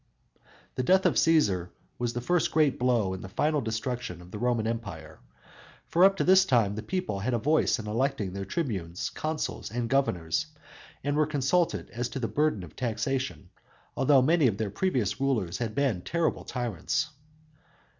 The death of Cæsar was the first great blow in the final destruction of the Roman Empire, for up to this time the people had a voice in electing their tribunes, consuls and governors, and were consulted as to the burden of taxation, although many of their previous rulers had been terrible tyrants.